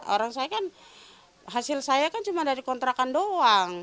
orang saya kan hasil saya kan cuma dari kontrakan doang